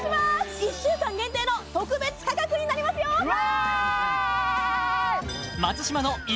１週間限定の特別価格になりますようわ！